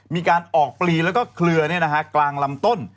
มีการออกปลีแล้วก็เคลือกลางลำต้น